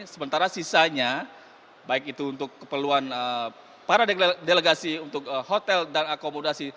sementara sisanya baik itu untuk keperluan para delegasi untuk hotel dan akomodasi